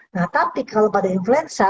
nah tapi kalau pada influenza